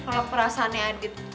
kalau perasaannya adit